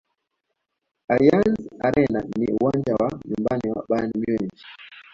allianz arena ni uwanja wa nyumbani wa bayern munich